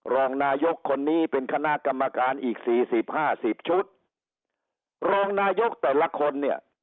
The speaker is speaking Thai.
รองนายกคนนี้เป็นคณะกรรมการอีกสี่สิบห้าสิบชุดรองนายกแต่ละคนเนี่ย